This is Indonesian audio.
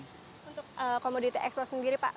untuk komoditi ekspor sendiri pak